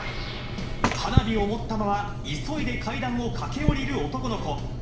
花火を持ったまま、急いで階段を駆け下りる男の子。